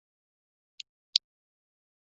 主营业务为投资制作电视剧以及电影。